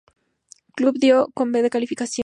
Club" dio una B de calificación.